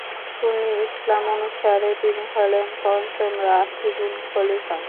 সুন্নি ইসলাম অনুসারে তিনি হলেন পঞ্চম রাশিদুন খলিফা।